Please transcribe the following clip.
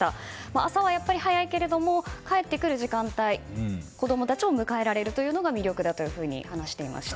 朝はやっぱり早いけれども帰ってくる時間帯子供たちを迎えられるというのが魅力だと話していました。